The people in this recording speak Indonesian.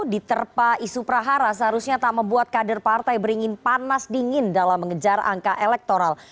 diterpa isu prahara seharusnya tak membuat kader partai beringin panas dingin dalam mengejar angka elektoral